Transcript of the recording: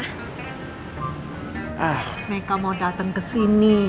ah meka mau datang kesini